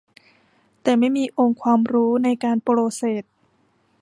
แต่ไม่มีองค์ความรู้ในการโปรเซส